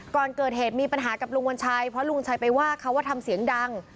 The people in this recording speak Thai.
ก่อนเกิดเหตุมีปัญหากับลุงวัญชัยเพราะลุงชัยไปว่าเขาว่าทำเสียงดัง